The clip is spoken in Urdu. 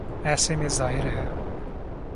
ایسے میں ظاہر ہے۔